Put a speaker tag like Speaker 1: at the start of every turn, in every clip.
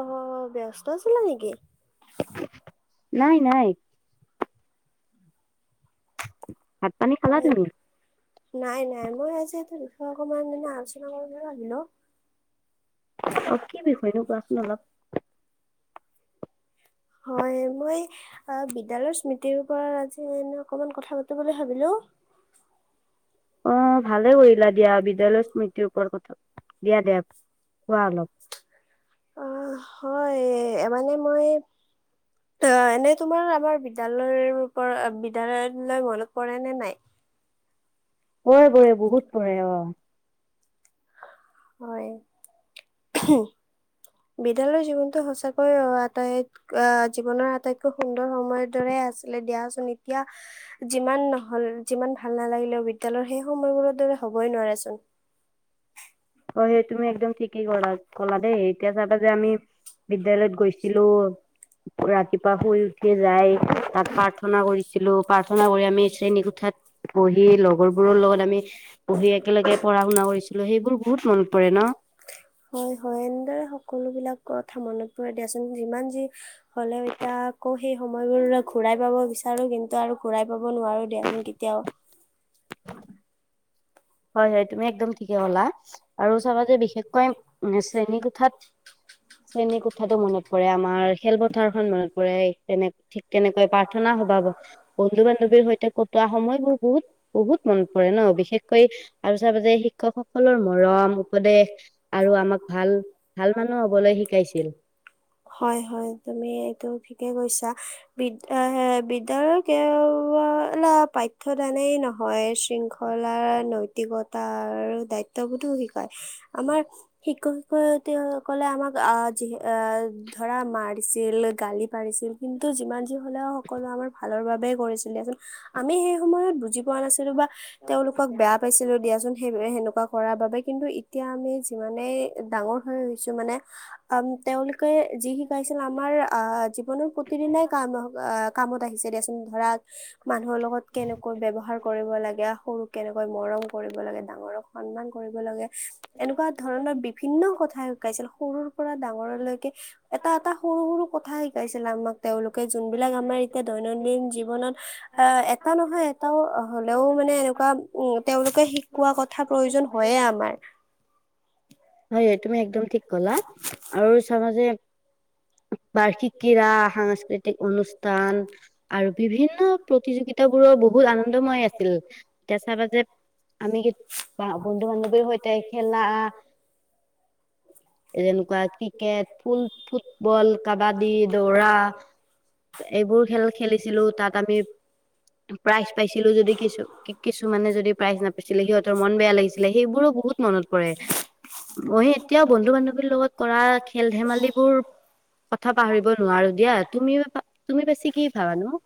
Speaker 1: অ', ব্যস্ত আছিলা নেকি?
Speaker 2: নাই নাই। [inaudible]
Speaker 1: হয়, নাই নাই, মই আজি এটা অকমান মানে আলোচনা কৰিবলৈ আহিলোঁ।
Speaker 2: অ', কি বিষয়নো কোৱাচোন অলপ।
Speaker 1: হয়, মই বিদ্যালয়ৰ স্মৃতিৰ ওপৰত আজি এনে অকমান কথা পাতো বুলি ভাৱিলোঁ।
Speaker 2: অ', ভালেই কৰিলা দিয়া বিদ্যালয়ৰ স্মৃতিৰ ওপৰত কথা দিয়া দিয়া, কোৱা অলপ।
Speaker 1: অ', হয়, মানে মই, এনেই তোমাৰ আমাৰ বিদ্যালয়ৰ পৰা-বিদ্যালয়লৈ মনত পৰে নে নাই?
Speaker 2: পৰে পৰে, বহুত পৰে, অ'।
Speaker 1: হয়, বিদ্যালয়ৰ জীৱনটো সঁচাকৈ আটাইত-অ জীৱনৰ আটাইতকৈ সুন্দৰ সময়ৰ দৰে আছিলে দিয়াচোন, এতিয়া যিমান নহ'ল-যিমান ভাল নালাগিলেও বিদ্যালয়ৰ সেই সময়বোৰৰ দৰে হ'বই নোৱাৰেচোন।
Speaker 2: অ', সেই তুমি একদম ঠিকেই ক'লা-কলা দেই, এতিয়া চাবা যে আমি বিদ্যালয়ত গৈছিলোঁ, ৰাতিপুৱা শুই উঠি যাই তাত প্ৰাৰ্থনা কৰিছিলোঁ, প্ৰাৰ্থনা কৰি আমি শ্ৰেণীকোঠাত বহি লগৰবোৰৰ লগত আমি বহি একেলগে পঢ়া শুনা কৰিছিলোঁ, সেইবোৰ
Speaker 1: হয় হয় এনেদৰে সকলো বিলাক কথা মনত পৰে দিয়াচোন যিমান যি হ'লে এতিয়া আকৌ সেই সময়বোৰ ঘূৰাই পাব বিচাৰো কিন্তু আৰু ঘূৰাই পাব নোৱাৰো দিয়াচোন কেতিয়াওঁ।
Speaker 2: হয় হয় তুমি একদম ঠিকে ক'লা, আৰু চাবা যে বিশেষকৈ উ শ্ৰেণী কোঠাত, শ্ৰেণী কোঠাতো মনত পৰে আমাৰ, খেলপথাৰখন মনত পৰে। তেনে ঠিক তেনেকৈ প্ৰাৰ্থনা সভা, বন্ধু বান্ধৱীৰ সৈতে কটোৱা সময়বোৰ বহুত বহুত মনত পৰে ন বিশেষ কৈ আৰু চাবচো শিক্ষকসকলৰ মৰম, উপদেশ আৰু আমাক ভাল ভাল মানুহ হ'বলৈ শিকাইছিল।
Speaker 1: বিদ বিদ্যালয় পাঠ্য দানেই নহ হয় শৃংখলা, নৈতিকতাৰ দায়িত্ববোধোও শিকায়, আমাৰ শিক্ষক শিক্ষয়িত্ৰীসকলে আমাক আহ যি আহ ধৰা মাৰিছিল, গালি পাৰিছিল কিন্তু যিমান যি হ'লেও সকলো আমাৰ ভালৰ বাবে কৰিছিল। আমি সেই সময়ত বুজি পোৱা নাছিলো বা তেওঁলোকক বেয়া পাইছিলো দিয়াচোন। কৰাৰ বাবে কিন্তু এতিয়া আমি যিমানেই ডাঙৰ হৈ হৈছো মানে আম তেওঁলোকে যি শিকাইছিল আমাৰ আ যি প্ৰতিদিনাই কাম আহ কামত আহিছে দিয়াচোন ধৰা মানুহৰ লগত কেনেকৈ ব্যৱহাৰ কৰিব লাগে সৰুক কেনেকৈ মৰম কৰিব লাগে, ডাঙৰক সন্মান কৰিব লাগে। এনেকুৱা ধৰণৰ বিভিন্ন কথাই শিকাইছিল। পৰা ডাঙৰলৈকে এটা এটা সৰু সৰু কথা শিকাইছিলে আমাক। তেওঁলোকে যোনবিলাক আমাৰ এতিয়া দৈনন্দিন জীৱনত অ' এটা নহয় এটাও হ'লেও মানে এনেকুৱা উম' তেওঁলোকে শিকোৱা কথা প্ৰয়োজন হয়য়ে আমাৰ।
Speaker 2: হয় হয় তুমি একদম ঠিক ক'লা, আৰু চাবা যে বাৰ্ষিক কিৰা সাংস্কৃতিক অনুষ্ঠান আৰু বিভিন্ন প্ৰতিযোগিতাবোৰৰ বহুত আনন্দময় আছিল, এতিয়া চাবা যে আমি বন্ধু বান্ধৱীৰ সৈতে খেলা যেনেকুৱা ক্ৰিকেট ফুল ফুটবল কাবাদী, দৌৰা এইবোৰ খেল খেলিছিলো। তাত আমি প্ৰাইজ পাইছিলো যদি কিছু কিছুমানে যদি প্ৰাইজ নাপাইছিলে সিহঁতৰ মন বেয়া লাগিছিলে সেইবোৰো বহুত মনত পৰে মই এতিয়াও বন্ধু বান্ধৱীৰ লগত কৰা খেল ধেমালিবোৰ কথা পাহৰিব নোৱাৰো দিয়া তুমি তুমি পিছে কি ভাবানো?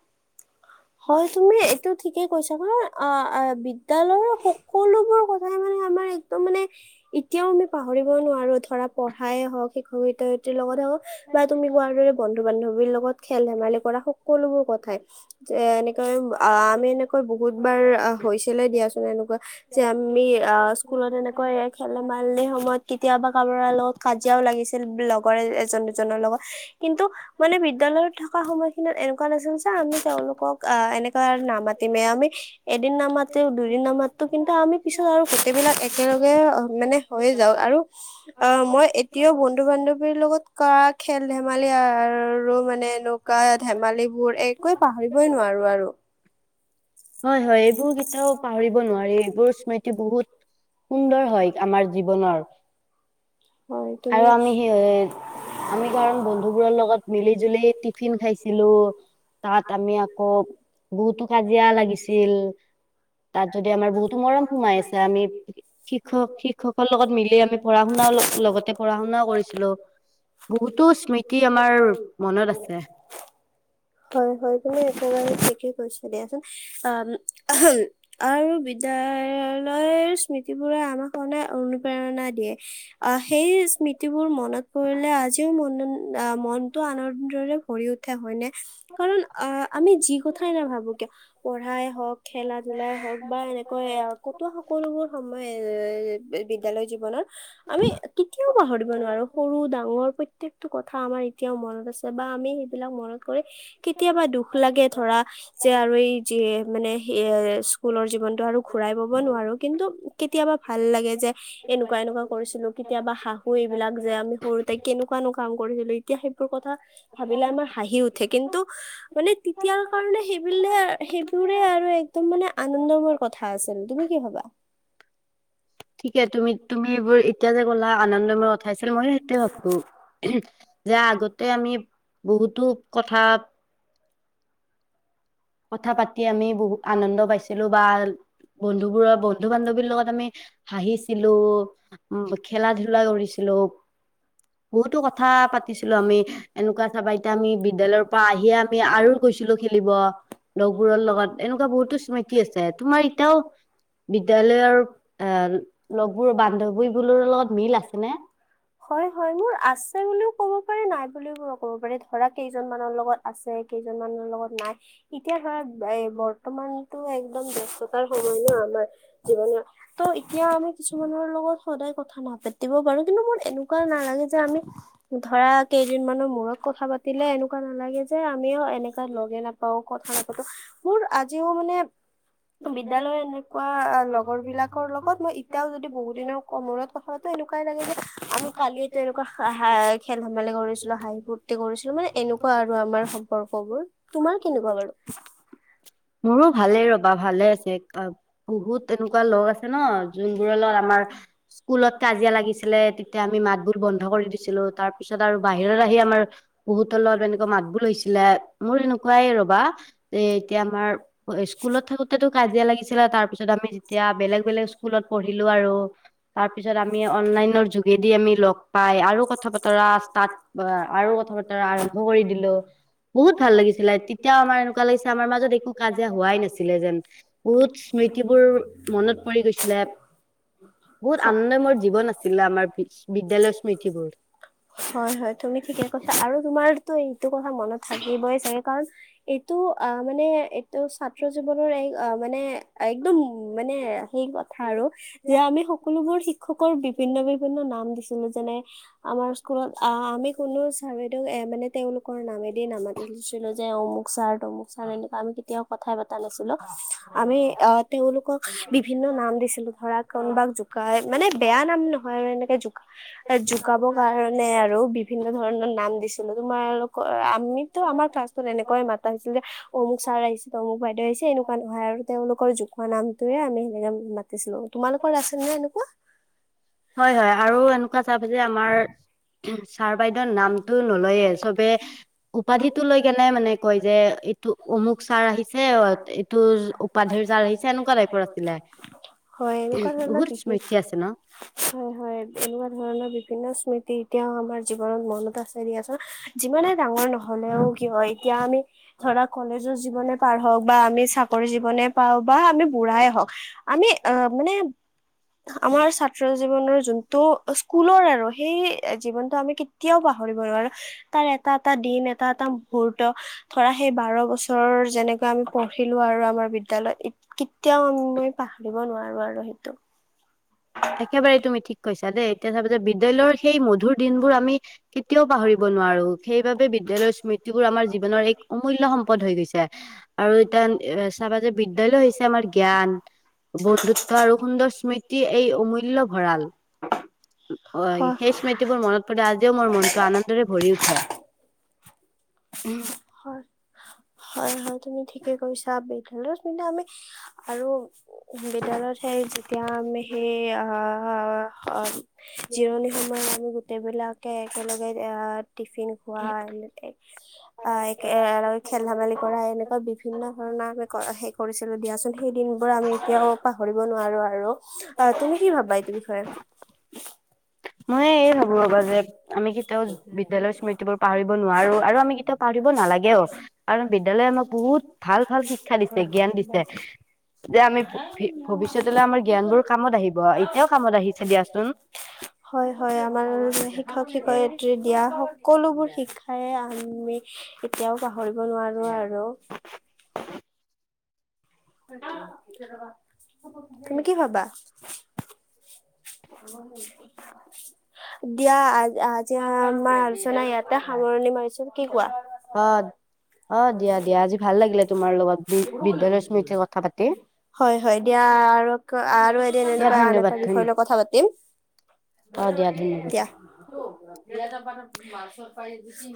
Speaker 1: টো ঠিকেই কৈছা অ বিদ্যয়ালয়ৰ সকলোবোৰ কথাই মানে আমাৰ একদম মানে কেতিও আমি পাহৰিব নোৱাৰো আৰু ধৰা পঢ়াই হওঁক শিকু [unintelligible] ৰ লগত বা তুমি কোৱাৰ দৰে বন্ধু-বান্ধৱীৰ লগত খেল-ধেমালি কৰা সকলোবোৰ পঠাই যে এনেকৈ অ', আমি এনেকৈ বহুত বা অহ, হৈছিলে দিয়াছো এনেকুৱা যে আমি অ', স্কুলত এনেকুৱা খেল-ধেমালিৰ সময়ত কেতিয়াবা কাৰোবাৰ লগত কাজিয়াও লাগিছিল লগৰে এজন দুজনৰ লগত কিন্তু মানে বিদ্যয়ালয়ৰ থকা সময়খিনিত এনেকুৱা নাছিল যে আমি তেওঁলোকক অহ, এনেকা আৰু নামাতিমেই আমি এদিন নামাতিও দুদিন নামাতো কিন্তু আমি পিছত আৰু গোটেইবিলাক একেলগে মানে হৈয়ে যাওঁ আৰু অ', মই এতিয়াও বন্ধু-বান্ধৱীৰ লগত কা খেল ধেমালি আৰু মানে এনেকুৱা ধেমালিবোৰ একোৱে পাহৰিবই নোৱাৰোঁ আৰু।
Speaker 2: হয়, হয় এইবোৰ কেতিয়াও পাহৰিব নোৱাৰি, এইবোৰ স্মৃতি বহুত সুন্দৰ হয় আমাৰ জীৱনৰ। আৰু আমি সেই আমি কাৰণ বন্ধুবোৰৰ লগত মিলি জুলি টিফিন খাইছ ছিলো তাত আমি আকৌ বহুতো কাজিয়া লাগিছিল। তাত যদি আমাৰ বহুতো মৰম সোমাই আছে, আমি শিক্ষক শিক্ষকৰ লগত মিলি আমি পঢ়া-শুনাও লগ-লগত তে পঢ়া-শুনাও কৰিছিলোঁ, বহুতো স্মৃতি আমাৰ মনত আছে।
Speaker 1: দিয়াচোন অ', উ [inaudible] আৰু বিদ্যয়ালয়ৰ স্মৃতিবোৰে আমাক সদায় অনুপ্ৰেৰণা দিয়ে আহ সেই স্মৃতিবোৰ মনত পৰিলে আজিও মন অ' মনটো আনন্দৰে কৰি উঠা হয়নে কাৰণ আহ আমি যি কথাই না ভাবো কিয় পঢ়ায়ে হওক খেলা জুলাই হওক বা এনেক কটো সকলোবোৰ সময় বিদ্যয়ালয়ৰ জীৱনত আমি কেতিয়াও পাহৰিব নোৱাৰো সৰু ডাঙৰ প্ৰত্যেটো কথা আমাৰ এতিয়াও মনত আছে। বা আমি সেইবিলাক মনত কৰি কেতিয়াবা দুখ লাগে ধৰা যে আৰু এই য মানে এ স্কুলৰ জীৱনতটো আৰু ঘুৰাই পাব নোৱাৰো কিন্তু কেতিয়াবা ভাল লাগে যে এনেকুৱা এনেকুৱা কৰিছিলো কেতিয়াবা হাঁাহো এইবিলাক যে আমি সৰুতোই কেনেকুৱাানো কাম কৰিছিলো এতিয়া সেইবোৰ কথা ভাবিলে আমাৰ হাঁহি উঠে কিন্তু মানে তেতিয়াৰ কাৰণে সেইবিলে সেইবোৰে আৰু একদম মানে। আনন্দময় কথা আছিল, তুমি কি ভাবা?
Speaker 2: ঠিকে তুমি, তুমি এইবোৰ এতিয়া যে গলা আনন্দময় উঠাইছিল মই সেইটো ভাবো যে আগতে আমি বহুতো কথা কথা পাতি আমি বহুত আনন্দ পাইছিলো বা বন্ধুবোৰৰ, বন্ধু-বান্ধৱীৰ লগত আমি হাহিছিলো, খেলা-ধলা কৰিছিলো, বহুতো কথা পাতিছিলো আমি, এনেকুৱা চাবা এতিয়া আমি বিদ্যালয়ৰ পৰা আহিয়ে আমি আৰু গৈছিলো খেলিব। লগবোৰৰ লগত এনেকুৱা বহুতো স্মৃতি আছে, তোমাৰ এতিয়াও বিদ্যালয়ৰ
Speaker 1: বান্ধৱী [unintelligible] হয়, হয়, মোৰ আছে বুলি ক'ব পাৰি নাই বুলি ক'ব পাৰি ধৰা কেইজনমানৰ লগত আছে, কেইজনমানৰ লগত নাই। এতিয়া ধৰা এ বৰ্তমানতো একদম ব্য্স্ততাৰ সময় ন আমাৰ জীৱনৰ ত' এতিয়া আমি কিছুমানৰ লগত। সদায় কথা নাপাতিব পাৰো কিন্তু মোৰ এনেকুৱা নালাগে যে আমি ধৰা কেইদিনমানৰ মূৰত কথা পাতিলে এনেকুৱা নালাগে যে আমিও এনেকা লগে নাপাও। নাপাতো, মোৰ আজিও মানে বিদ্যালয় এনেকুৱা লগৰ বিলাকৰ লগত মই এতিয়াও যদি বহুত দিনৰ মূৰত কথা পাতো এনেকুৱাই লাগে যে, আমি কালিয়োতো এনেকুৱা খেল-ধেমালি কৰিছিলো, হাঁহি-ফূৰ্তি কৰিছিলো মানে এনেকুৱা আৰু আমাৰ সম্পৰ্কবোৰ, তোমাৰ এনেকুৱা বাৰু ভালে ৰবা ভালে আ বহুত এনেকুৱা ল আছে ন আমাৰ স্ুলত কাজিয়া লাগিছিলে তেতিয়া আমি মাত বোত বন্ধ কৰি দিছিলো ৰ।
Speaker 2: তাৰপিছত আৰু বাহিৰত আহি আমাৰ বহুতৰলগত এনেকুৱা মাতবল হৈছিলে, মোৰ এনেকুৱা বা এতিয়া আমাৰ স্কুলত থাকোতেতো কাজিয়া লাগিছিল তাৰ পিছত আমি যেতিয়া বেলেগ-বেলেগ স্কুলত পঢ়িলো আৰু তাৰ পিছত আমি অনলাইনৰ যোগেদি আমি লগ পাই আৰু কথা পা ৰা ষ্টাৰ্ট আৰু কথা-বতৰা আৰম্ভ কৰি দিলো, বহুত ভাল লাগিছিল। এতিয়াও আমাৰ এনেকুৱা লাগিছে আমাৰ মাজত একো কাজিয়া হোৱাই নাছিলে যেন বহুত স্মৃতিবোৰ মনত পৰি গৈছিলে বহুত আনন্দময় জীৱন আছিলে আমাৰ বিদ্যালয় ৰ স্মৃতিবোৰ।
Speaker 1: হয়, হয়, তুমি ঠিকে কথাা আৰু তোমাৰতো এইটো কথা মনত থাকিবই চাগে কাৰণ এইটো অ মানে এইটো ছাত্ৰ জীৱনৰ এক মানে একদম মানে সেই কথা আৰু, যে আমি সকলোবোৰ শিক্ষকৰ বিভিন্ন-বিভিন্ন নাম দিছিলো যেনে, আমাৰ স্কুলত আহ আমি কোনো ছাৰ বাইদেউক এ মানে তেওঁলোকৰ নামেদি নামাতি অমুক ছাৰ, তমুক ছাৰ, এনেকুৱা আমি কেতিয়াও কথাই পা নাছিলো, আমি অ তেওঁলোকক বিভিন্ন নাম দিছিলো, ধৰা কোনোবাক জোকাই মানে বেয়া নাম নহয় আৰু এনেকে জোকা-জোকাব কাৰণে আৰু বিভিন্ন ধৰণৰ নাম দিছিলো। তোমাৰ অলপ আমিতো আমাৰ ক্লা তেনেকৈ মাতা হৈছিল যে অমুক ছাৰ আহিছিল অমুক বাইদেউ আহিছে এনেকুৱা নহয় আৰু তেওঁলোকৰ জোখোৱা নামটোয়ে আমি সেনেকে মাতিছিলো তোমালোকৰ আছে নে এনেকুৱা
Speaker 2: হয়, হয়, আৰু এনেকুৱা চাব যে আমাৰ ছাৰ বাইদেউৰ নামটো নলয়ে চবে উপাধিটো লৈ কেনে মানে কয় যে এইটো অমুক ছাৰ আহিছে এইটো উপাধিৰ ছাৰ আহিছে এনেকুৱা টাইপৰ আছিলে বহুত স্মৃতি আছে ন'
Speaker 1: হয়, হয়, এনেকুৱা ধৰণৰ বিভিন্ন স্মৃতি এতিয়াও আমাৰ জীৱনত মন এটা আছে দিয়াচোন। যিমানে ডাঙৰ নহলেও কিয়, এতিয়া আমি ধৰা কলেজৰ জীৱনে পাৰ হওঁক, বা আমি চা কৰি জীৱনে পাও বা আমি বুঢ়াই হওক, আমি অ' মানে আমাৰ ছাত্ৰ জীৱনৰ যোনটো স্কুলৰ আৰু সেই এ জীৱনটো আমি কেতিয়াও পাহৰিব নোৱাৰো, তাৰ এটা-এটা দিন এ এটা এটা মুহুুৰত। ধৰা সেই বাৰ বছৰ, যেনেকৈ আমি পঢ়িলো আৰু আমাৰ বিদ্যালয়ত। কেতিয়াও মই পাহৰি ব নোৱাৰো আৰু সেইটো।
Speaker 2: একেবাৰে তুমি ঠিক কৈছা দেই। তথাপিও যে, বিদ্যালয়ৰ সেই মধুৰ দিনবোৰ আমি কেতিয়াও পাহৰিব নোৱাৰো, সেইবাবে বিদ্যালয়ৰ স্মৃতিবোৰ আমাৰ জীৱনৰ এক অমূল্য সম্ পদ হৈ গৈছে। আৰু এতিয়া এ চাবা যে, বিদ্যালয় হৈছে আমাৰ জ্ঞান, বন্ধুত্ব আৰু সুন্দৰ স্মৃত এই অমূল্যয় ভঁৰাল, অই সেই স্মৃতিবোৰ মনত পৰিলে আজিও মোৰ মনটো আনন্দৰে ভৰি উঠে, উম।
Speaker 1: হয়, হয়। তুমি ঠিকে কৈছা, বিদ্যালয় পিন্ধা আমি আৰু বিদ্যালয়ত সেই যেতিয়া আমি সেই, আ-আ হয়। জিৰণি সময়ত আমি গোটেই বিলাকে একেলগে আহ টিফিন খোৱা এনেকে, একে খেল-ধেমালি কৰা, এনে বিভিন্ন ধৰণৰ আমি সেই কৰিছিলো দিয়াচোন সেই দিন বোৰ আমি এতিয়াও পাহৰিব নোৱাৰো নোৱাৰো আৰু। আহ তুমি কি ভাবা এইটো বিষয়ে? [unintelligible]
Speaker 2: মই এই ভাবো ৰ'বা যে, আমি কেতিয়াও বিদ্যালয় স্মৃতিবোৰ পাহৰিব নোৱাৰো। আৰু আমি কেতিয়াও পাহৰিব নালাগেও। কাৰণ বিদ্য়ালয় আমাক বহুত ভাল, ভাল শিক্ষা দিছে জ্ঞান দিছে। যে আমি ভৱিষ্যতলৈ আমাৰ জ্ঞান বোৰ কামত আহিব। এতিয়াও কামত আহিছে দিয়াচোন।
Speaker 1: হয় হয়, আমাৰ শিক্ষক শিক্ষয়িত্ৰী দিয়া সকলো বোৰ শিক্ষাই আমি এতিয়াও পাহৰিব নোৱাৰো আৰু।
Speaker 2: [unintelligible]
Speaker 1: [unintelligible] তুমি কি ভাবা?
Speaker 2: অ' অ' দিয়া দিয়া আজি ভাল লাগিলে তোমাৰ লগত বি-বিদ্যালয় স্মৃতি
Speaker 1: হয়, হয় দিয়া আৰু, আৰু এদিন এনেকুৱা আন এটা বিষয়লৈ কথা পাতিম। দিয়া। [inaudible]